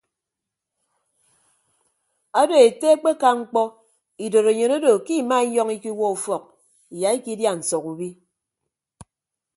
Ado ete akpeka mkpọ idorenyin odo ke ima inyọñ ikiwuọ ufọk iya ikịdia nsọk ubi.